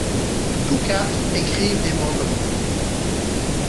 Tous quatre écrivent des mandements.